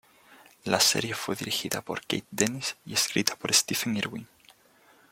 La serie fue dirigida por Kate Dennis y escrita por Stephen Irwin.